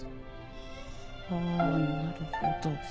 はあなるほど。